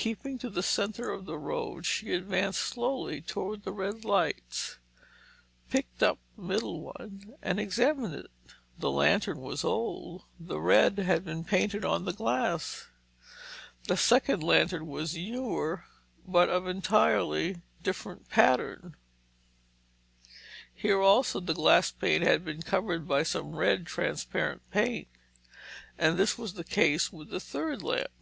Keeping to the centre of the road she advanced slowly toward the red lights, picked up the middle one and examined it. The lantern was old—the red had been painted on the glass. The second lantern was newer, but of entirely different pattern. Here also, the glass pane had been covered by some red, transparent paint. And this was the case with the third lamp.